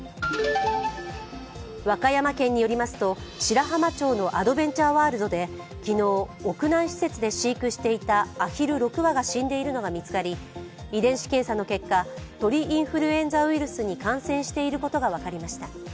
和歌山県によりますと白浜町のアドベンチャーワールドで昨日、屋内施設で飼育していたアヒル６羽が死んでいるのが見つかり、遺伝子検査の結果、鳥インフルエンザウイルスに感染していることが分かりました。